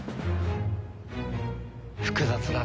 複雑だね。